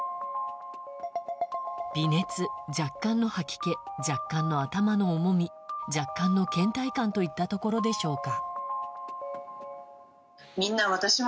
微熱、若干の吐き気若干の頭の重み若干の倦怠感といったところでしょうか。